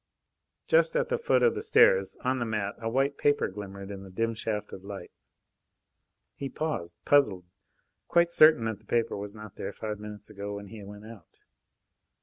Just at the foot of the stairs, on the mat, a white paper glimmered in the dim shaft of light. He paused, puzzled, quite certain that the paper was not there five minutes ago when he went out.